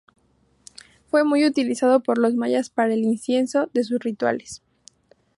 Fue muy usado por los mayas para incienso, de sus rituales.